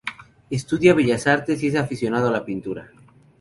Estudia Bellas Artes y es aficionado a la pintura.